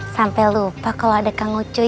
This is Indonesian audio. sampai lupa kalau ada tangguh soi